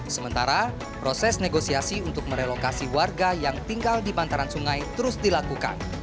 sementara proses negosiasi untuk merelokasi warga yang tinggal di bantaran sungai terus dilakukan